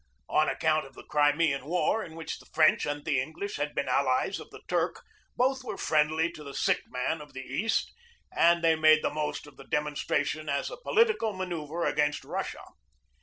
On account of the Crimean War, in which the French and the English had been allies of the Turk, both were friendly to the Sick Man of the East, and they made the most of the demonstration as a political manoeuvre against Russia.